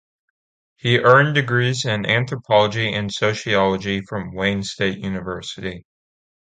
He earned degrees in anthropology and sociology from Wayne State University.